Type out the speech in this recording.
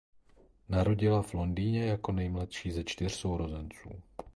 Narodila v Londýně jako nejmladší ze čtyř sourozenců.